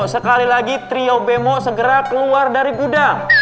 sekali lagi trio bemo segera keluar dari gudang